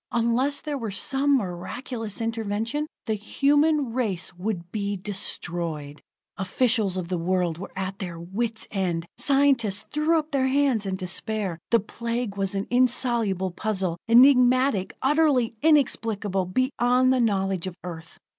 Unless there were some miraculous intervention, the human race would be destroyed! Officials of the world were at their wits' end; scientists threw up their hands in despair. The Plague was an insoluble puzzle enigmatical, utterly inexplicable, beyond the knowledge of Earth.